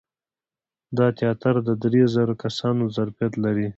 دا تیاتر د درې زره کسانو د ظرفیت لري.